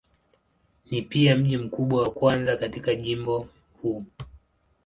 Ni pia mji mkubwa wa kwanza katika jimbo huu.